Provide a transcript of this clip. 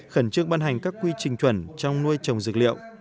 khẩn trương ban hành các quy trình chuẩn trong nuôi trồng dược liệu